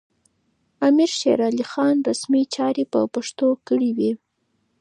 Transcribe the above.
امیر شېرعلي خان رسمي چارې په پښتو کړې وې.